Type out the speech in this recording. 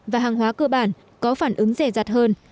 và hàng hóa cơ bản có phản ứng rẻ rặt hơn